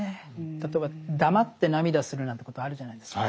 例えば黙って涙するなんてことあるじゃないですか。